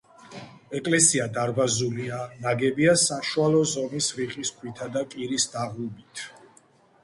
ეკლესია დარბაზულია, ნაგებია საშუალო ზომის რიყის ქვითა და კირის დაღუბით.